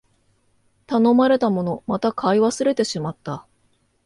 頼まれたもの、また買い忘れてしまった